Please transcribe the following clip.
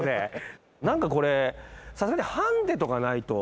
何かこれさすがにハンデとかないと。